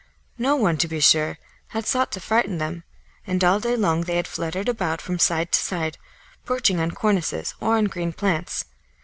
No one, to be sure, had sought to frighten them, and all day long they had fluttered about from side to side, perching on cornices or on green plants.